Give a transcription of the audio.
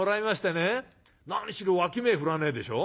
何しろ脇目振らねえでしょ。